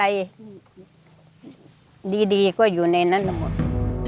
อะไรก็อยู่ในนั้นหมด